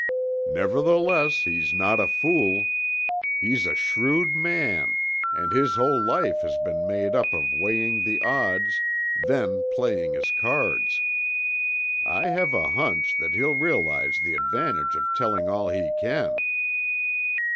"Nevertheless, he's not a fool. He's a shrewd man, and his whole life has been made up of weighing the odds, then playing his cards. I have a hunch that he'll realize the advantage of telling all he can."